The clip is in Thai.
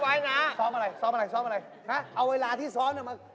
อายุเท่าไรแล้ว